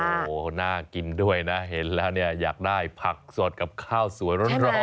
โหน่ากินด้วยนะเห็นแล้วเนี่ยอยากได้ผักสดกับข้าวสวยร้อนสักทานหนึ่ง